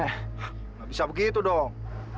gak bisa begitu dong